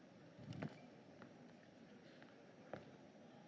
itu pertanyaannya waktu anda satu lima menit dimulai dari anda berbicara